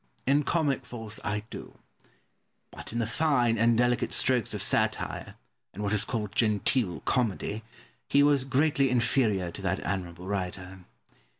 Pope. In comic force I do; but in the fine and delicate strokes of satire, and what is called genteel comedy, he was greatly inferior to that admirable writer.